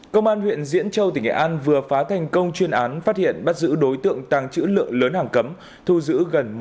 công an huyện diễn châu tỉnh nghệ an vừa phá thành công chuyên án phát hiện bắt giữ đối tượng tăng chữ lượng lớn hàng cấm thu giữ gần một tấn pháo nổ